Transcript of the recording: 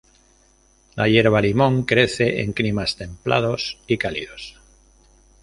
La hierba limón crece en climas templados y cálidos.